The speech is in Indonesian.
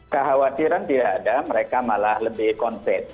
kekhawatiran tidak ada mereka malah lebih conce